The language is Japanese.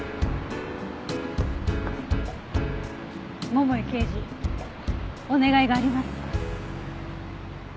桃井刑事お願いがあります。